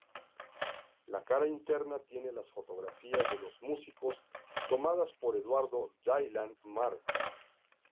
La cara interna tiene las fotografías de los músicos, tomadas por Eduardo "Dylan" Martí.